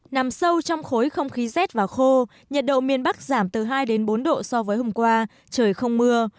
nằm sâu trong khối không khí rét và khô nhiệt độ miền bắc giảm từ hai đến bốn độ so với hôm qua trời không mưa